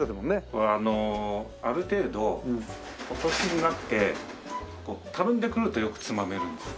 これあのある程度お年になってたるんでくるとよくつまめるんです。